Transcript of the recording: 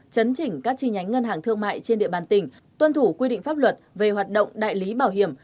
chấn chỉnh các chi nhánh ngân hàng thương mại trên địa bàn tỉnh tuân thủ quy định pháp luật về hoạt động đại lý bảo hiểm